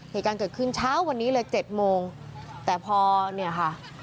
เหตุการณ์เกิดขึ้นเช้าวันนี้เลยเจ็ดโมงแต่พอเนี่ยค่ะ